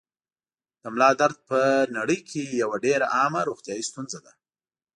د ملا درد په نړۍ کې یوه ډېره عامه روغتیايي ستونزه ده.